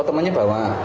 oh temannya bawa